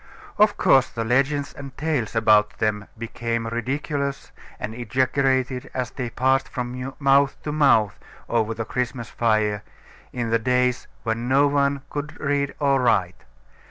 Of course, the legends and tales about them became ridiculous and exaggerated as they passed from mouth to mouth over the Christmas fire, in the days when no one could read or write.